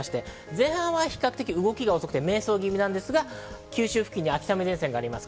前半は動きが遅くて迷走気味で九州付近には秋雨前線があります。